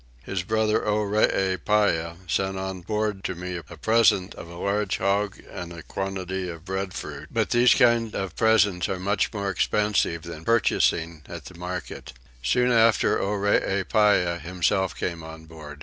His brother Oreepyah sent on board to me a present of a large hog and a quantity of breadfruit: but these kind of presents are much more expensive than purchasing at the market. Soon after Oreepyah himself came on board.